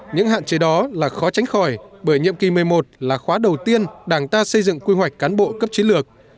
những hạn chế đó là khó tránh khỏi bởi nhiệm kỳ một mươi một là khóa đầu tiên đảng ta xây dựng quy hoạch cán bộ cấp chiến lược